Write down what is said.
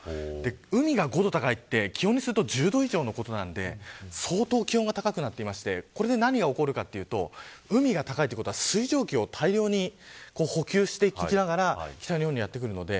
海が５度高いって気温にすると１０度以上のことなんで相当、気温が高くはなっていてこれ何が起こるかというと海が高いということは水蒸気を大量に補給していきながら北日本にやってくるので